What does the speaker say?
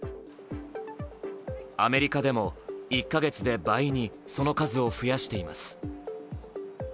アメリカでも１か月で倍にその数を増やしています。